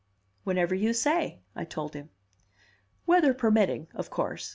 "Whenever you say," I told him. "Weather permitting, of course.